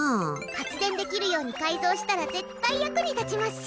発電できるように改造したら絶対役に立ちますし。